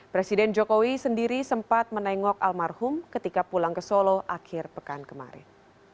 presiden jokowi sendiri sempat menengok almarhum ketika pulang ke solo akhir pekan kemarin